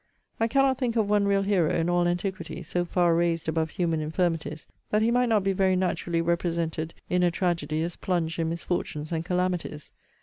* I cannot think of one real hero in all antiquity so far raised above human infirmities, that he might not be very naturally represented in a tragedy as plunged in misfortunes and calamities.